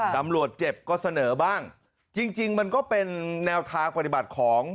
เจ็บก็เสนอบ้างจริงมันก็เป็นแนวทางปฏิบัติของ